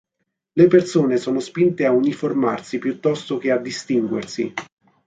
Le persone sono spinte a uniformarsi piuttosto che a distinguersi.